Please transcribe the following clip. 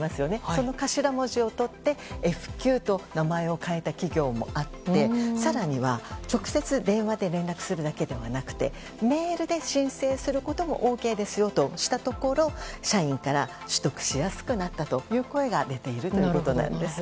その頭文字をとってＦ休と名前を変えた企業もあって更には、直接電話で連絡するだけではなくてメールで申請することもＯＫですよとしたところ社員から取得しやすくなったという声が出ているということなんです。